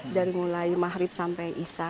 dari mulai mahrib sampai isa